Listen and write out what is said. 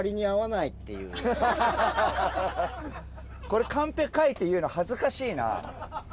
これカンペ書いて言うの恥ずかしいな。